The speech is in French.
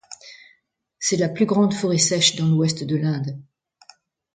C'est la plus grande forêt sèche dans l'ouest de l'Inde.